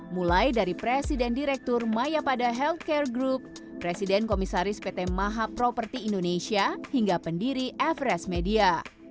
mulai dari presiden direktur maya pada healthcare group presiden komisaris pt mahaproperti indonesia hingga pendiri everest media